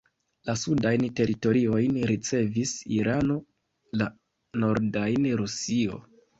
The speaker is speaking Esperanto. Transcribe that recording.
La sudajn teritoriojn ricevis Irano, la nordajn Rusio.